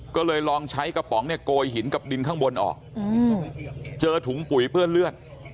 ก็เลยลองใช้กระป๋องเนี่ยโกยหินกับดินข้างบนออกเจอถุงปุ๋ยเปื้อนเลือด